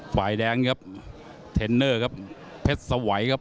ฝ่ายแดงครับเทรนเนอร์ครับเพชรสวัยครับ